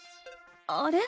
あれ？